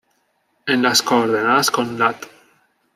En las coordenadas con lat.